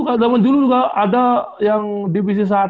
zaman dulu juga ada yang divisi satu